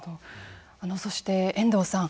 そして、遠藤さん。